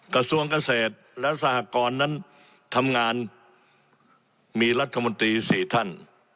กระทรวงเกษตรและสหกรนั้นทำงานมีรัฐมนตรี๔ท่าน